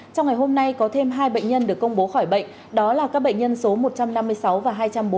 trong ngày hôm nay có thêm hai bệnh nhân được công bố khỏi bệnh đó là các bệnh nhân số một trăm năm mươi sáu và hai trăm bốn mươi